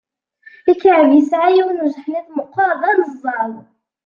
Ikɛeb yesɛa yiwen ujeḥniḍ meqqer, d aneẓẓaw.